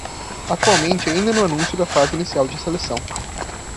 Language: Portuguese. Atualmente ainda no anúncio da fase inicial de seleção